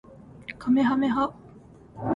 かめはめ波